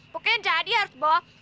pokoknya jadi harus bawa